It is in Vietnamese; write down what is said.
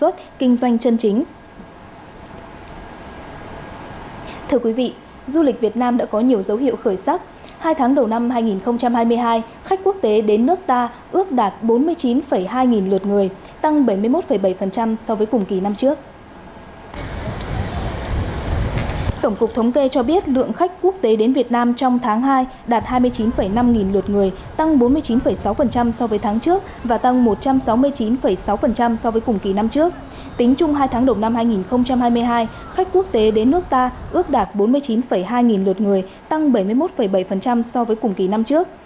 tính chung hai tháng đầu năm hai nghìn hai mươi hai khách quốc tế đến nước ta ước đạt bốn mươi chín hai nghìn lượt người tăng bảy mươi một bảy so với cùng kỳ năm trước